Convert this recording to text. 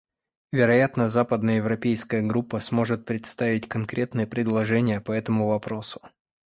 Вероятно, Западноевропейская группа сможет представить конкретные предложения по этому вопросу.